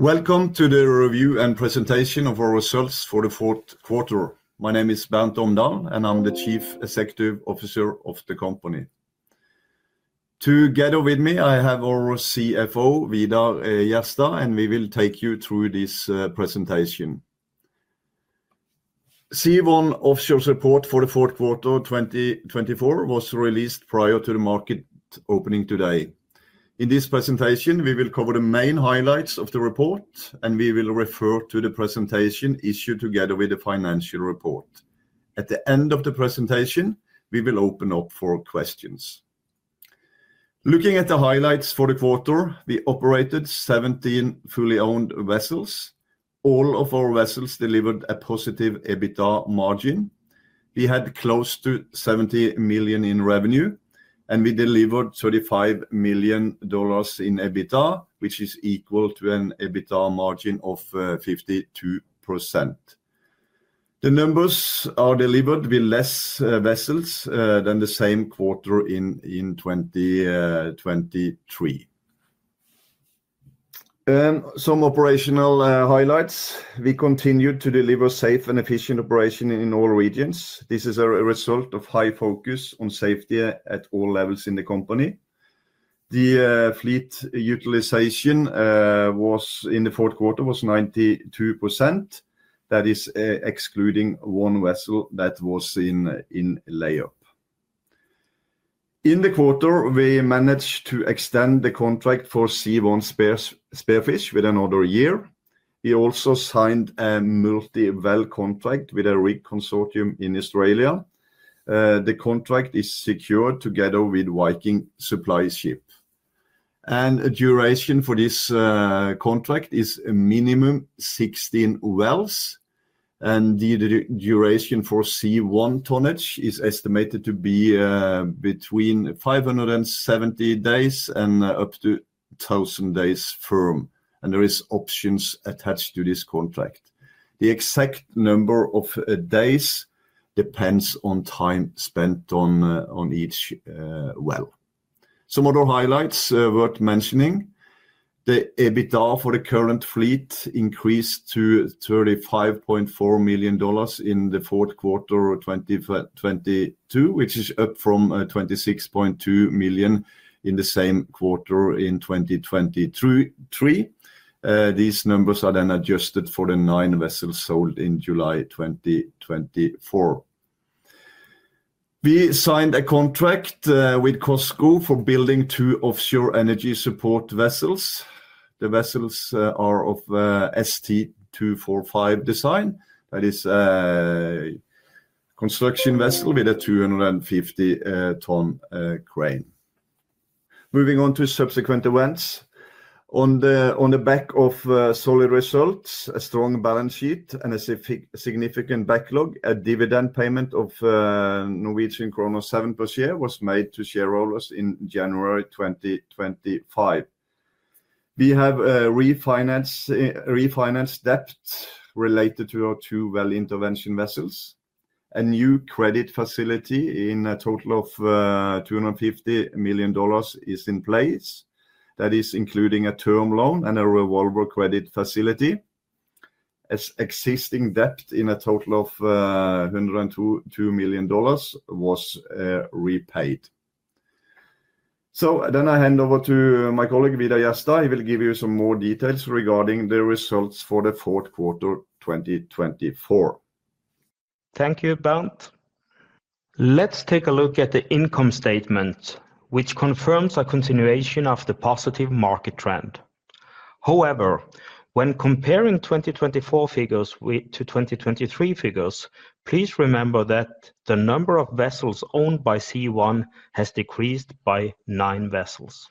Welcome to the review and presentation of our results for the fourth quarter. My name is Bernt Omdal, and I'm the Chief Executive Officer of the company. Together with me, I have our CFO, Vidar Jerstad, and we will take you through this presentation. Sea1 Offshore's report for the fourth quarter 2024 was released prior to the market opening today. In this presentation, we will cover the main highlights of the report, and we will refer to the presentation issued together with the financial report. At the end of the presentation, we will open up for questions. Looking at the highlights for the quarter, we operated 17 fully owned vessels. All of our vessels delivered a positive EBITDA margin. We had close to $70 million in revenue, and we delivered $35 million in EBITDA, which is equal to an EBITDA margin of 52%. The numbers are delivered with less vessels than the same quarter in 2023. Some operational highlights: we continued to deliver safe and efficient operation in all regions. This is a result of high focus on safety at all levels in the company. The fleet utilization in the fourth quarter was 92%, that is excluding one vessel that was in lay-up. In the quarter, we managed to extend the contract for Sea1 Spearfish with another year. We also signed a multi-well contract with a rig consortium in Australia. The contract is secured together with Viking Supply Ships. And the duration for this contract is a minimum of 16 wells, and the duration for Sea1 tonnage is estimated to be between 570 days and up to 1,000 days firm. And there are options attached to this contract. The exact number of days depends on time spent on each well. Some other highlights worth mentioning: the EBITDA for the current fleet increased to $35.4 million in the fourth quarter of 2022, which is up from $26.2 million in the same quarter in 2023. These numbers are then adjusted for the nine vessels sold in July 2024. We signed a contract with COSCO for building two offshore energy support vessels. The vessels are of ST-245 design. That is a construction vessel with a 250-ton crane. Moving on to subsequent events. On the back of solid results, a strong balance sheet, and a significant backlog, a dividend payment of 7 per share was made to shareholders in January 2025. We have a refinanced debt related to our two well intervention vessels. A new credit facility in a total of $250 million is in place. That is including a term loan and a revolver credit facility. Existing debt in a total of $102 million was repaid. So then I hand over to my colleague Vidar Jerstad. He will give you some more details regarding the results for the fourth quarter 2024. Thank you, Bernt. Let's take a look at the income statement, which confirms a continuation of the positive market trend. However, when comparing 2024 figures to 2023 figures, please remember that the number of vessels owned by Sea1 has decreased by nine vessels.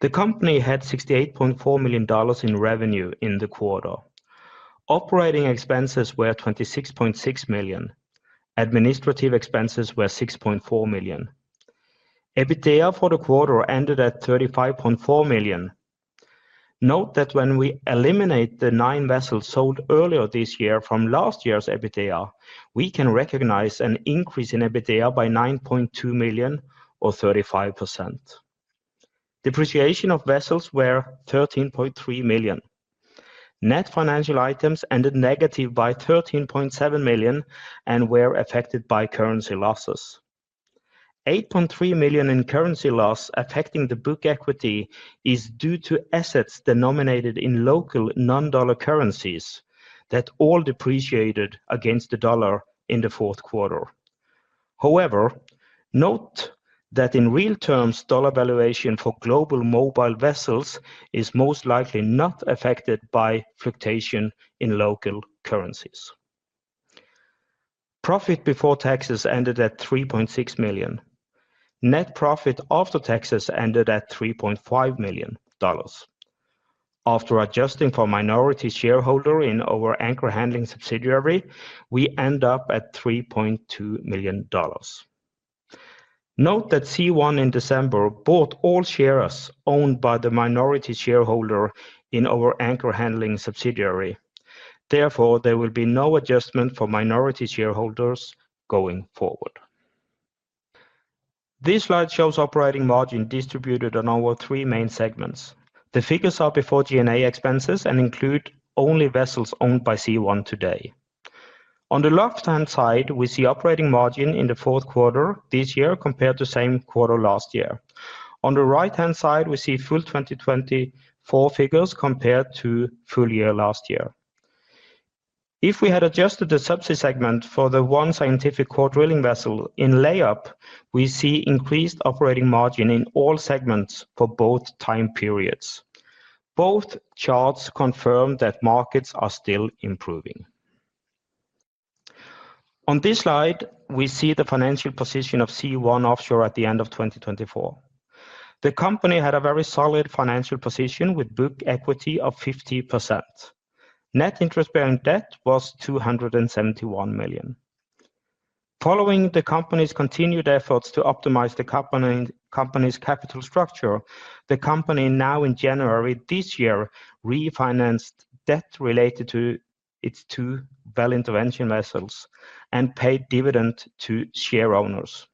The company had $68.4 million in revenue in the quarter. Operating expenses were $26.6 million. Administrative expenses were $6.4 million. EBITDA for the quarter ended at $35.4 million. Note that when we eliminate the nine vessels sold earlier this year from last year's EBITDA, we can recognize an increase in EBITDA by $9.2 million, or 35%. Depreciation of vessels was $13.3 million. Net financial items ended negative by $13.7 million and were affected by currency losses. $8.3 million in currency loss affecting the book equity is due to assets denominated in local non-dollar currencies that all depreciated against the dollar in the fourth quarter. However, note that in real terms, dollar valuation for global mobile vessels is most likely not affected by fluctuation in local currencies. Profit before taxes ended at $3.6 million. Net profit after taxes ended at $3.5 million. After adjusting for minority shareholder in our anchor handling subsidiary, we end up at $3.2 million. Note that Sea1 in December bought all shares owned by the minority shareholder in our anchor handling subsidiary. Therefore, there will be no adjustment for minority shareholders going forward. This slide shows operating margin distributed on our three main segments. The figures are before G&A expenses and include only vessels owned by Sea1 today. On the left-hand side, we see operating margin in the fourth quarter this year compared to the same quarter last year. On the right-hand side, we see full 2024 figures compared to full year last year. If we had adjusted the subsea segment for the one scientific core drilling vessel in lay-up, we see increased operating margin in all segments for both time periods. Both charts confirm that markets are still improving. On this slide, we see the financial position of Sea1 Offshore at the end of 2024. The company had a very solid financial position with book equity of 50%. Net interest-bearing debt was $271 million. Following the company's continued efforts to optimize the company's capital structure, the company now in January this year refinanced debt related to its two well intervention vessels and paid dividend to share owners.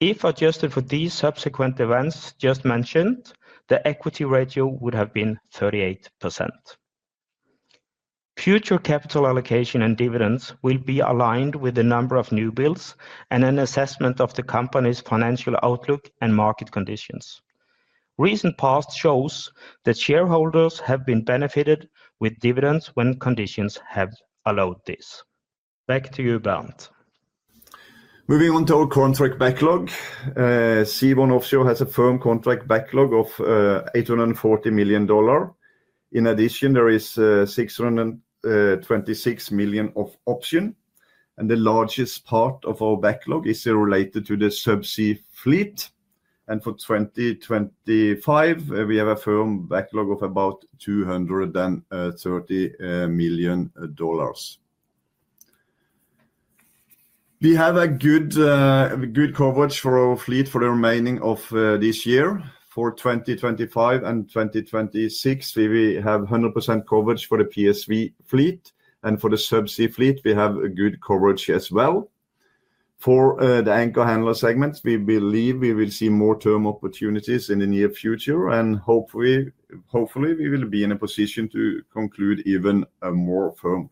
If adjusted for these subsequent events just mentioned, the equity ratio would have been 38%. Future capital allocation and dividends will be aligned with the number of newbuilds and an assessment of the company's financial outlook and market conditions. Recent past shows that shareholders have been benefited with dividends when conditions have allowed this. Back to you, Bernt. Moving on to our contract backlog, Sea1 Offshore has a firm contract backlog of $840 million. In addition, there is $626 million of option, and the largest part of our backlog is related to the subsea fleet, and for 2025, we have a firm backlog of about $230 million. We have a good coverage for our fleet for the remaining of this year. For 2025 and 2026, we have 100% coverage for the PSV fleet, and for the subsea fleet, we have a good coverage as well. For the anchor handler segment, we believe we will see more term opportunities in the near future, and hopefully, we will be in a position to conclude even more firm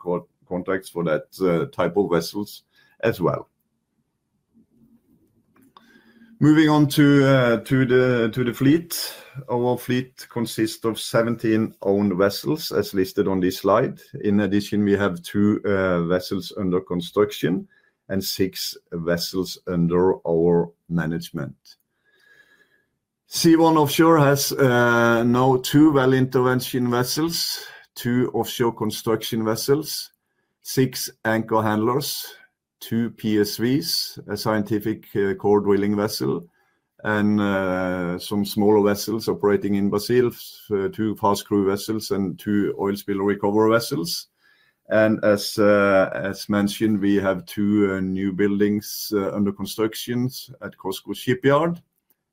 contracts for that type of vessels as well. Moving on to the fleet, our fleet consists of 17 owned vessels as listed on this slide. In addition, we have two vessels under construction and six vessels under our management. Sea1 Offshore has now two well intervention vessels, two offshore construction vessels, six anchor handlers, two PSVs, a scientific core drilling vessel, and some smaller vessels operating in Brazil, two fast crew vessels, and two oil spill recovery vessels. And as mentioned, we have two new buildings under construction at COSCO Shipyard.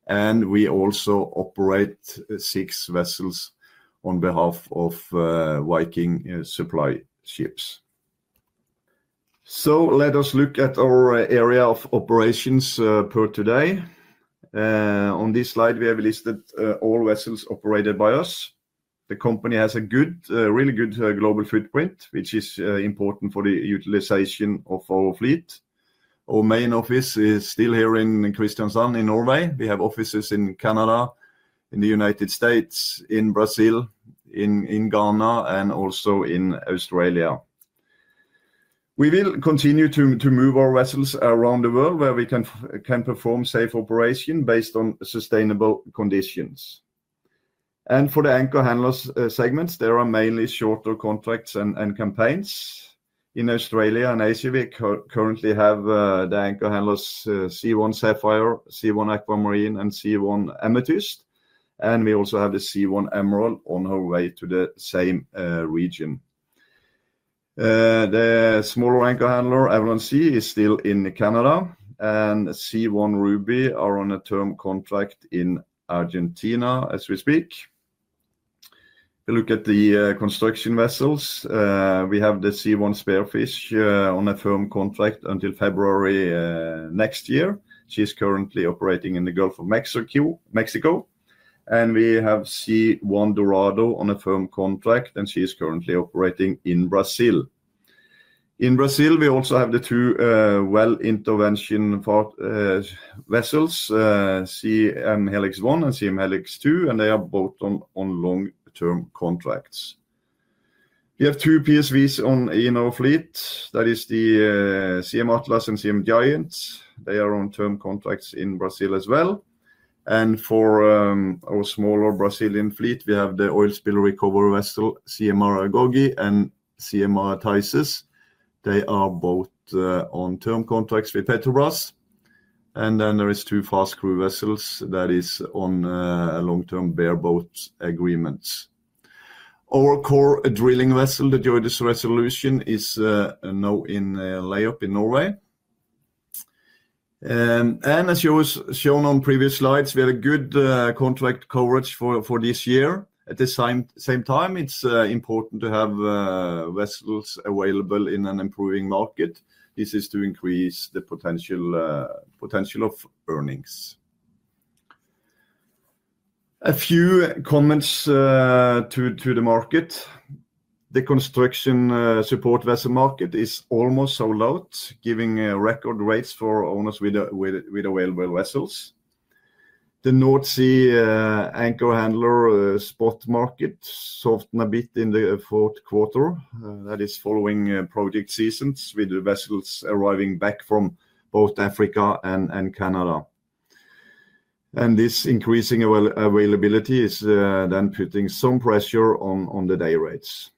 And we also operate six vessels on behalf of Viking Supply Ships. So let us look at our area of operations per today. On this slide, we have listed all vessels operated by us. The company has a really good global footprint, which is important for the utilization of our fleet. Our main office is still here in Kristiansand in Norway. We have offices in Canada, in the United States, in Brazil, in Ghana, and also in Australia. We will continue to move our vessels around the world where we can perform safe operation based on sustainable conditions. And for the anchor handlers segments, there are mainly shorter contracts and campaigns. In Australia and Asia, we currently have the anchor handlers Sea1 Sapphire, Sea1 Aquamarine, and Sea1 Amethyst. And we also have the Sea1 Emerald on our way to the same region. The smaller anchor handler, Avalon Sea, is still in Canada. And Sea1 Ruby are on a term contract in Argentina as we speak. Look at the construction vessels. We have the Sea1 Spearfish on a firm contract until February next year. She is currently operating in the Gulf of Mexico. And we have Sea1 Dorado on a firm contract, and she is currently operating in Brazil. In Brazil, we also have the two well intervention vessels, Siem Helix 1 and Siem Helix 2, and they are both on long-term contracts. We have two PSVs in our fleet. That is the Siem Atlas and Siem Giant. They are on term contracts in Brazil as well. And for our smaller Brazilian fleet, we have the oil spill recovery vessel, Siem Maragogi and Siem Marataizes. They are both on term contracts with Petrobras. And then there are two fast crew vessels that are on long-term bareboat agreements. Our core drilling vessel, the JOIDES Resolution, is now in lay-up in Norway. And as shown on previous slides, we have a good contract coverage for this year. At the same time, it's important to have vessels available in an improving market. This is to increase the potential of earnings. A few comments to the market. The construction support vessel market is almost sold out, giving record rates for owners with available vessels. The North Sea anchor handler spot market softened a bit in the fourth quarter. That is following project seasons with vessels arriving back from both Africa and Canada, and this increasing availability is then putting some pressure on the day rates.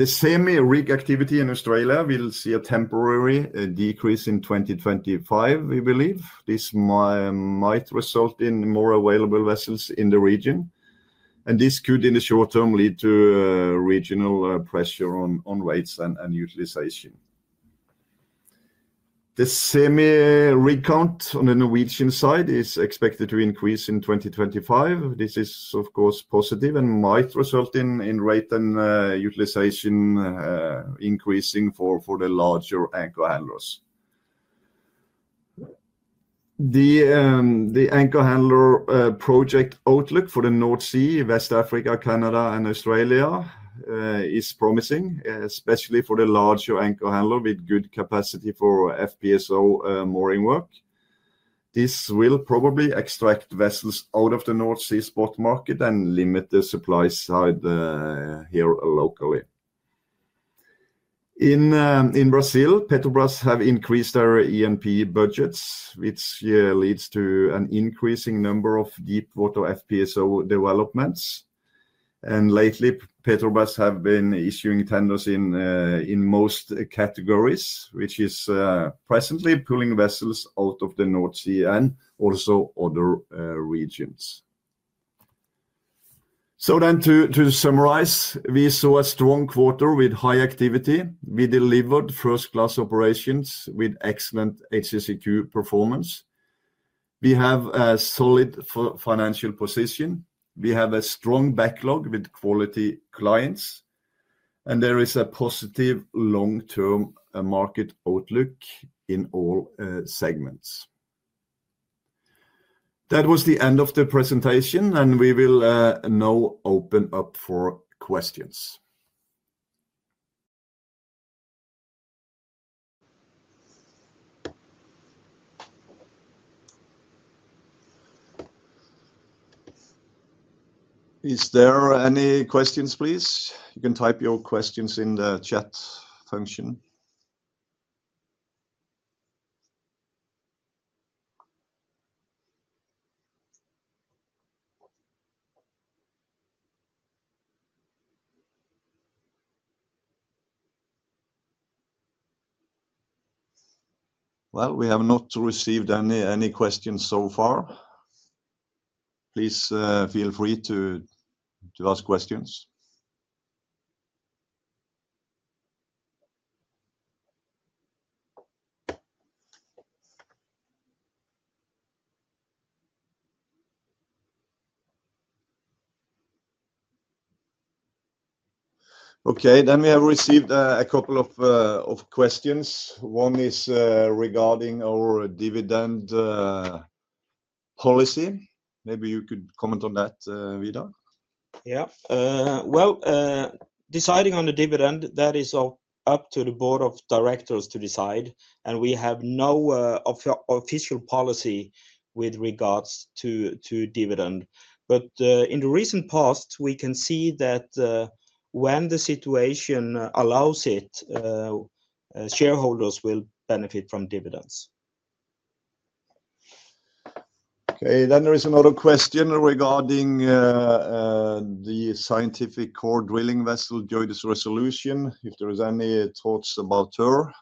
The same rig activity in Australia will see a temporary decrease in 2025, we believe. This might result in more available vessels in the region, and this could, in the short term, lead to regional pressure on rates and utilization. The same rig count on the Norwegian side is expected to increase in 2025. This is, of course, positive and might result in rate and utilization increasing for the larger anchor handlers. The anchor handler project outlook for the North Sea, West Africa, Canada, and Australia is promising, especially for the larger anchor handler with good capacity for FPSO mooring work. This will probably extract vessels out of the North Sea spot market and limit the supply side here locally. In Brazil, Petrobras has increased their E&P budgets, which leads to an increasing number of deep-water FPSO developments, and lately, Petrobras has been issuing tenders in most categories, which is presently pulling vessels out of the North Sea and also other regions, so then, to summarize, we saw a strong quarter with high activity. We delivered first-class operations with excellent HSEQ performance. We have a solid financial position. We have a strong backlog with quality clients, and there is a positive long-term market outlook in all segments. That was the end of the presentation, and we will now open up for questions. Is there any questions, please? You can type your questions in the chat function. We have not received any questions so far. Please feel free to ask questions. Okay, we have received a couple of questions. One is regarding our dividend policy. Maybe you could comment on that, Vidar? Deciding on the dividend, that is up to the board of directors to decide. We have no official policy with regards to dividend. In the recent past, we can see that when the situation allows it, shareholders will benefit from dividends. Okay, then there is another question regarding the scientific core drilling vessel, JOIDES Resolution, if there are any thoughts about her.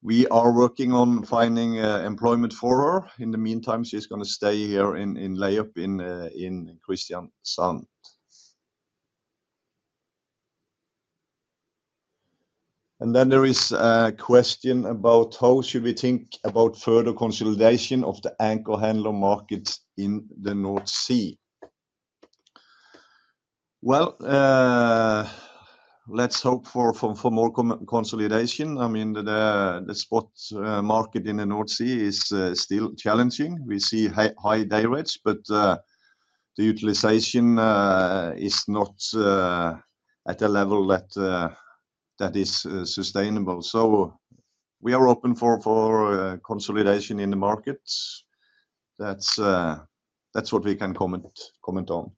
We are working on finding employment for her. In the meantime, she's going to stay here in lay-up in Kristiansand. Then there is a question about how we should think about further consolidation of the anchor handler market in the North Sea. Let's hope for more consolidation. I mean, the spot market in the North Sea is still challenging. We see high day rates, but the utilization is not at a level that is sustainable. We are open for consolidation in the markets. That's what we can comment on.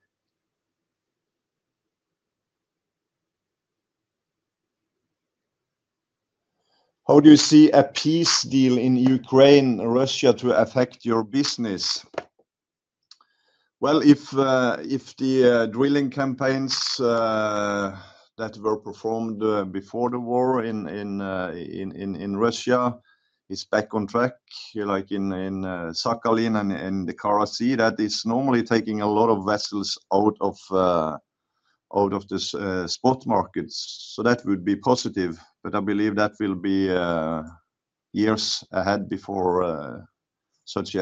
How do you see a peace deal in Ukraine and Russia affect your business? If the drilling campaigns that were performed before the war in Russia are back on track, like in Sakhalin and the Kara Sea, that is normally taking a lot of vessels out of the spot markets. That would be positive. I believe that will be years ahead before such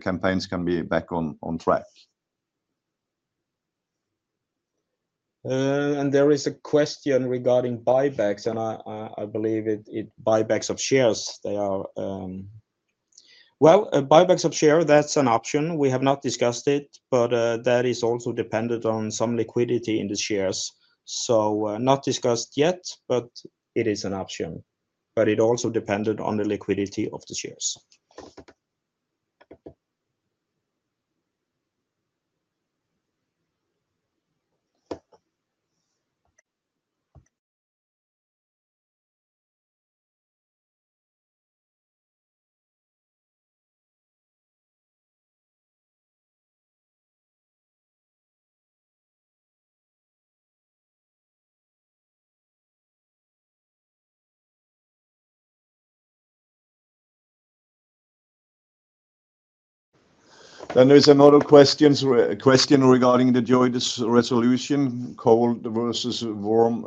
campaigns can be back on track. There is a question regarding buybacks. I believe it's buybacks of shares. Well, buybacks of shares, that's an option. We have not discussed it, but that is also dependent on some liquidity in the shares. Not discussed yet, but it is an option. It also depended on the liquidity of the shares. Then there is another question regarding the JOIDES Resolution, cold versus warm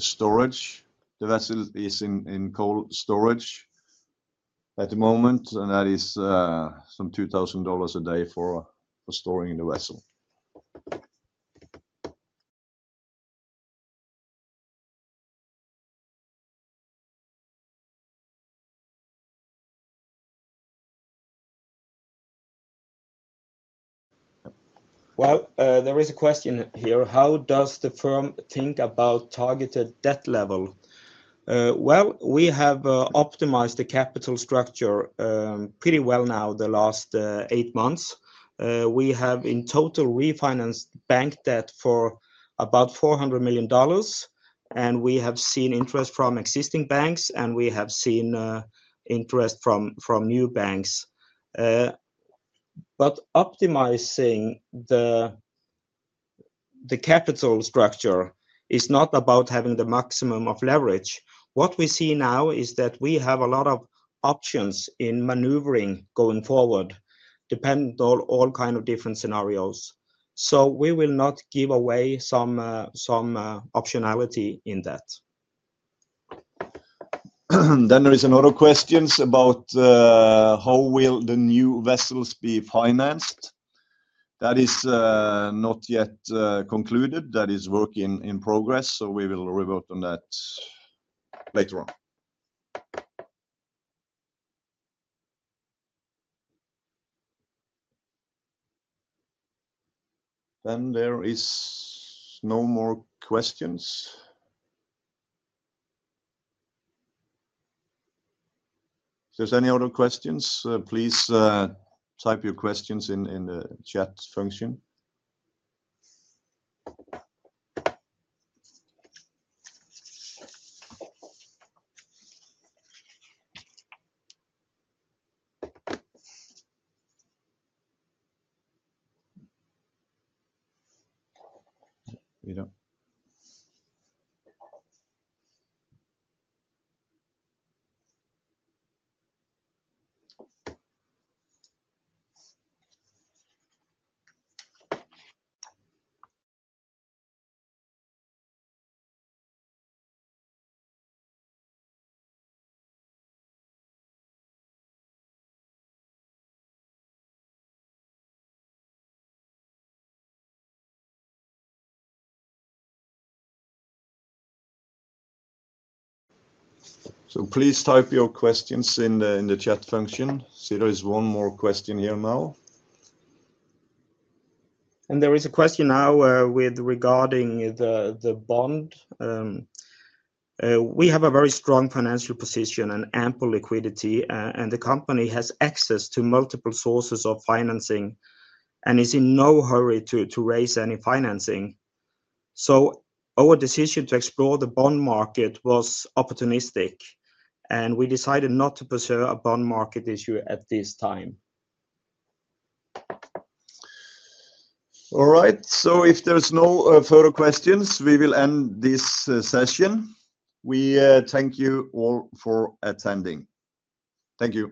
storage. The vessel is in cold storage at the moment. And that is some $2,000 a day for storing the vessel. There is a question here. How does the firm think about targeted debt level? We have optimized the capital structure pretty well now the last eight months. We have in total refinanced bank debt for about $400 million. And we have seen interest from existing banks. And we have seen interest from new banks. But optimizing the capital structure is not about having the maximum of leverage. What we see now is that we have a lot of options in maneuvering going forward, depending on all kinds of different scenarios. We will not give away some optionality in that. Then there are other questions about how will the new vessels be financed. That is not yet concluded. That is work in progress. So we will revert on that later on. Then there are no more questions. If there are any other questions, please type your questions in the chat function. There is one more question here now. There is a question now with regard to the bond. We have a very strong financial position and ample liquidity. The company has access to multiple sources of financing and is in no hurry to raise any financing. Our decision to explore the bond market was opportunistic. We decided not to pursue a bond market issue at this time. All right. So if there are no further questions, we will end this session. We thank you all for attending. Thank you.